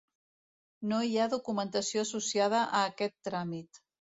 No hi ha documentació associada a aquest tràmit.